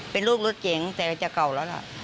เป็นลูกรถเก๋งแต่จะเก่าแล้วล่ะ